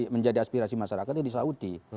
menjadi aspirasi masyarakatnya disauti